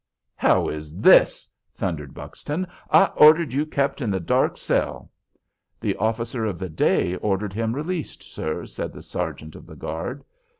"How is this?" thundered Buxton. "I ordered you kept in the dark cell." "The officer of the day ordered him released, sir," said the sergeant of the guard.